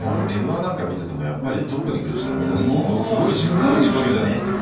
「Ｍ‐１」なんか見ててもやっぱりトップに来る人はみんなすごい自己流じゃないですか。